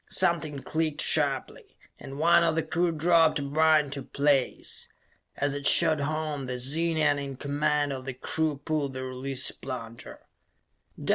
Something clicked sharply, and one of the crew dropped a bar into place. As it shot home, the Zenian in command of the crew pulled the release plunger.